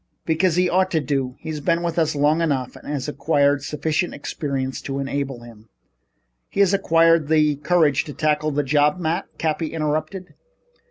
"Because he ought to do. He's been with us long enough to have acquired sufficient experience to enable him " "Has he acquired the courage to tackle the job, Matt?" Cappy interrupted.